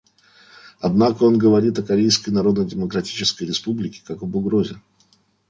Однако он говорит о Корейской Народно-Демократической Республике как об угрозе.